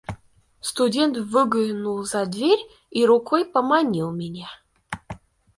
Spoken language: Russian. Студент выглянул за дверь и рукой поманил меня.